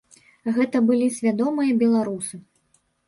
Гэта былі свядомыя беларусы.